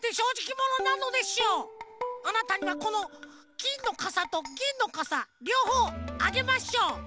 あなたにはこのきんのかさとぎんのかさりょうほうあげましょう！